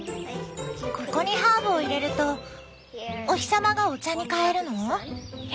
ここにハーブを入れるとお日様がお茶に変えるの？